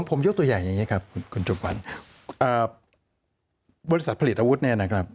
ผมยกตัวอย่างอย่างนี้ครับคุณจุบันบริษัทผลิตอาวุธเนี่ยนะครับ